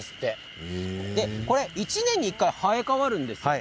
１年に１回生え変わるんですよね。